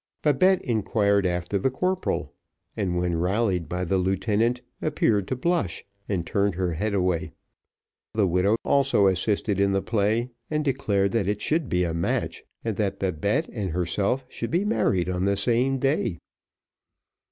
Babette inquired after the corporal, and, when rallied by the lieutenant, appeared to blush, and turned her head away. The widow also assisted in the play, and declared that it should be a match, and that Babette and herself should be married on the same day.